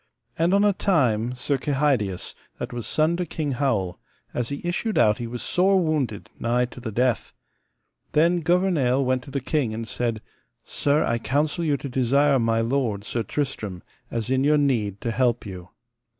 And on a time Sir Kehydius, that was son to King Howel, as he issued out he was sore wounded, nigh to the death. Then Gouvernail went to the king and said: Sir, I counsel you to desire my lord, Sir Tristram, as in your need to help you.